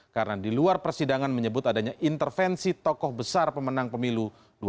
karena di luar persidangan menyebut adanya intervensi tokoh besar pemenang pemilu dua ribu sembilan